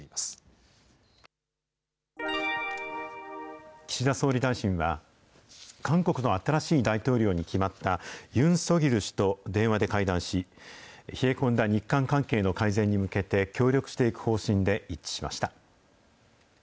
課岸田総理大臣は、韓国の新しい大統領に決まったユン・ソギョル氏と電話で会談し、冷え込んだ日韓関係の改善に向けて協力していく方針で一致しまし